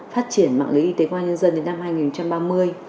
phát triển mạng lý y tế qua nhân dân đến năm hai nghìn ba mươi